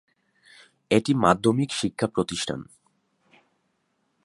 এটি মাধ্যমিক শিক্ষা প্রতিষ্ঠান।